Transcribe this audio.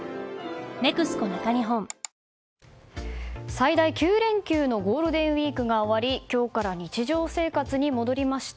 最大９連休のゴールデンウィークが終わり今日から日常生活に戻りました。